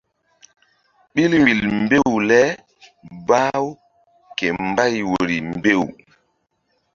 Ɓil vbil mbew le bah-u ke mbay woyri mbew.